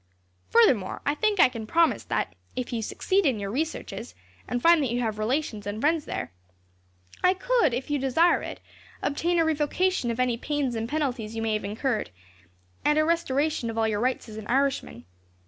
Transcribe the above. Furthermore, I think I can promise that, if you succeed in your researches, and find that you have relations and friends there, I could, if you desire it, obtain a revocation of any pains and penalties you may have incurred, and a restoration of all your rights as an Irishman.